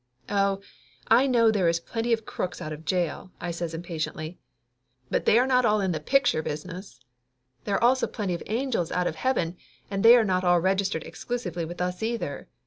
"Oh, I know there is plenty of crooks out of jail," I says impatiently, "but they are not all in the picture Laughter Limited 13 business. There are also plenty of angels out of heaven, and they are not all registered exclusively with us, either.